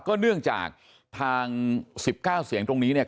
เนื่องจากทาง๑๙เสียงตรงนี้เนี่ย